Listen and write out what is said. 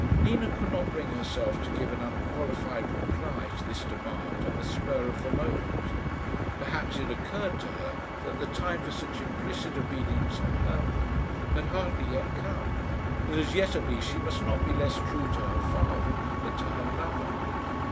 Nina could not bring herself to give an unqualified reply to this demand on the spur of the moment. Perhaps it occurred to her that the time for such implicit obedience on her part had hardly yet come that as yet at least she must not be less true to her father than to her lover.